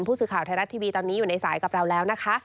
ผู้สื่อข่าวไทยรัฐทีวีตอนนี้อยู่ในสายกับเราแล้วนะคะ